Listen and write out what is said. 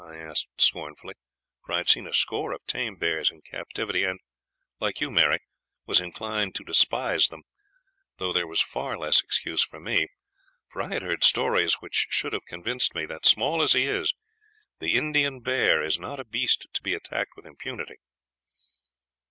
I asked scornfully, for I had seen a score of tame bears in captivity, and, like you, Mary, was inclined to despise them, though there was far less excuse for me; for I had heard stories which should have convinced me that, small as he is, the Indian bear is not a beast to be attacked with impunity.